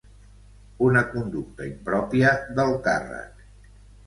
Una conducta impròpia del càrrec